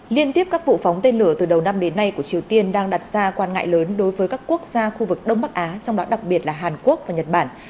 liên tiếp các vụ phóng tên lửa từ đầu năm đến nay của triều tiên đang đặt ra quan ngại lớn đối với các quốc gia khu vực đông bắc á trong đó đặc biệt là hàn quốc và nhật bản